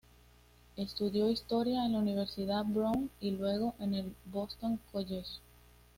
Estudió historia en la Universidad Brown y luego en el Boston College.